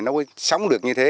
nó sống được như thế